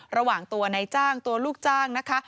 ระหว่างตัวในจ้างตัวลูกจ้างนะคะ